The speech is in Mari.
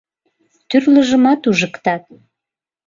Тӱрлыжымат ужыктат